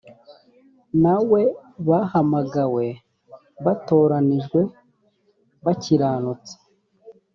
na we bahamagawe batoranijwe bakiranutse